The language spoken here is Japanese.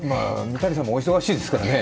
三谷さんもお忙しいですからね。